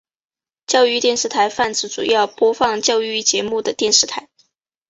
教育电视台泛指主要播放教育节目的电视台。